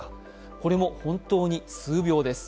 これも本当に数秒です。